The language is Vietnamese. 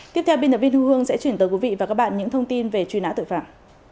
tiếp theo biên tập viên thu hương sẽ chuyển tới quý vị và các bạn những thông tin về truy nã tội phạm